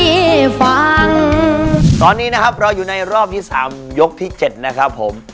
นี่ฟังตอนนี้นะครับเราอยู่ในรอบที่๓ยกที่เจ็ดนะครับผม